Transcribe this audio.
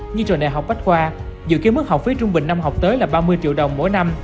như trường đại học bách khoa dự kiến mức học phí trung bình năm học tới là ba mươi triệu đồng mỗi năm